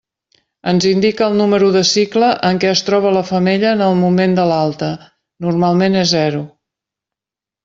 Ens indica el número de cicle en què es troba la femella en el moment de l'alta, normalment és zero.